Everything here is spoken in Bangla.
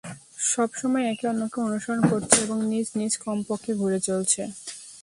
সব সময়ই একে অন্যকে অনুসরণ করছে এবং নিজ নিজ কক্ষপথে ঘুরে চলেছে।